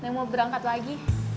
neng mau berangkat lagi